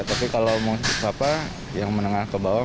tapi kalau mau ke apa yang menengah ke bawah